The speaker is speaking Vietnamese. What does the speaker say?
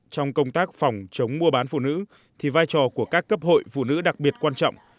trong công tác phòng chống mua bán phụ nữ thì vai trò của các cấp hội phụ nữ đặc biệt quan trọng